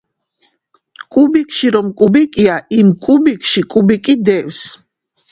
კუბიკში რომ კუბიკია, იმ კუბიკში კუბიკი დევს.